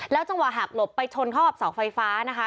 จังหวะหักหลบไปชนเข้ากับเสาไฟฟ้านะคะ